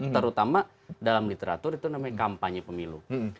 terutama dalam literatur itu namanya kampanye pemilu